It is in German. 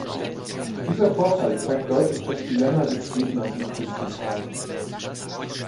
Dieser Vorfall zeigt deutlich das Dilemma des Redners im Prinzipat.